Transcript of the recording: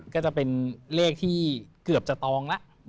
ก็จะเป็นเลขที่เกือบจะตองแล้ว